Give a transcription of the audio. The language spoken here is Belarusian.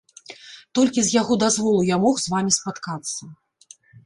Толькі з яго дазволу я мог з вамі спаткацца.